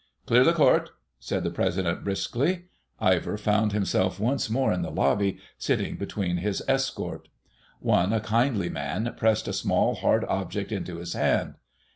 "Clear the Court," said the President briskly. Ivor found himself once more in the lobby, sitting between his escort. One, a kindly man, pressed a small, hard object into his hand.